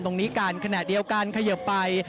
ตรงนี้กันขณะเดียวกันเขยิบไป